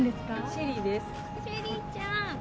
シェリーちゃん！